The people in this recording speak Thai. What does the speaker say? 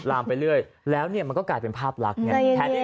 ลามไปเรื่อยแล้วเนี่ยมันก็กลายเป็นภาพลักษณ์ไง